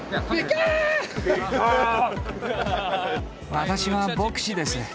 私は牧師です。